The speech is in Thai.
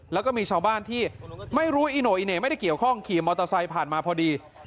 แล้วก็มีชาวบ้านที่ไม่รู้อีโน่อีเหน่ไม่ได้เกี่ยวข้องขี่มอเตอร์ไซค์ผ่านมาพอดี